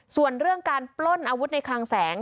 ส่วนเรื่องการปล้นอาวุธในคลังแสง